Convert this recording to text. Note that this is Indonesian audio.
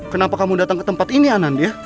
kenapa kamu datang ke tempat ini anandya